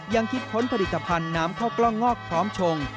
ยังคิดค้นผลิตภัณฑ์น้ำข้าวกล้องงอกพร้อมชง